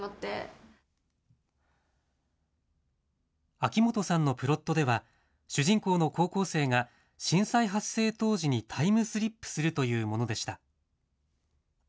秋本さんのプロットでは、主人公の高校生が震災発生当時にタイムスリップするというものでした。